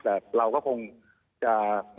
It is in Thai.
แต่เราก็คงจะ